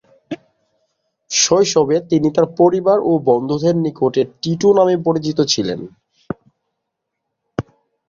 শৈশবে তিনি তার পরিবার ও বন্ধুদের নিকটে "টিটো" নামে পরিচিত ছিলেন।